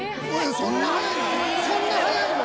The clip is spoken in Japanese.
そんな速いの？